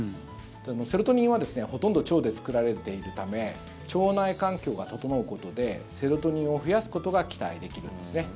セロトニンはほとんど腸で作られているため腸内環境が整うことでセロトニンを増やすことが期待できるんですね。